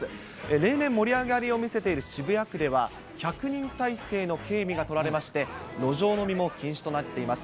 例年、盛り上がりを見せている渋谷区では１００人態勢の警備が取られまして、路上飲みも禁止となっています。